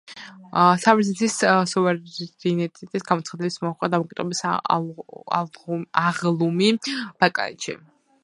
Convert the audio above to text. საბერძნეთის სუვერენიტეტის გამოცხადებას მოჰყვა „დამოუკიდებლობის აღლუმი“ ბალკანეთში.